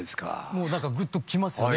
もうなんかぐっときますよね